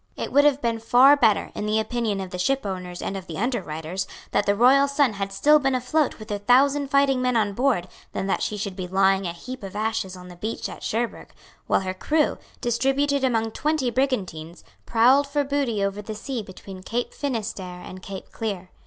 It would have been far better, in the opinion of the shipowners and of the underwriters, that the Royal Sun had still been afloat with her thousand fighting men on board than that she should be lying a heap of ashes on the beach at Cherburg, while her crew, distributed among twenty brigantines, prowled for booty over the sea between Cape Finisterre and Cape Clear.